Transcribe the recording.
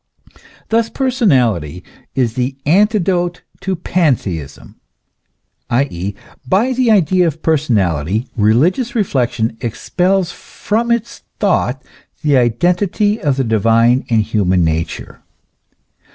Thus personality is the antidote to Pantheism ; i. e., by the idea of personality religious reflection expels from its thought the identity of the divine and human nature.